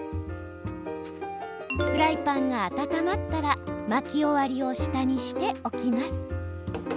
フライパンが温まったら巻き終わりを下にして置きます。